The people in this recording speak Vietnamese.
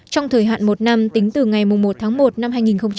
trong thời hạn một năm tính từ ngày một tháng một năm hai nghìn một mươi tám